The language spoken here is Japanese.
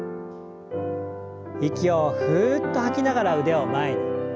息をふっと吐きながら腕を前に。